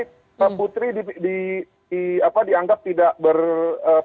pembutri dianggap tidak berpengalaman